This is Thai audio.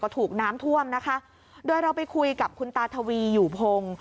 ถูกน้ำท่วมนะคะโดยเราไปคุยกับคุณตาทวีอยู่พงศ์